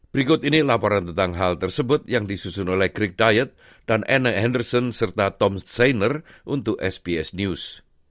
berikut ini laporan tentang hal tersebut yang disusun oleh grick diet dan ene henderson serta tom signer untuk sps news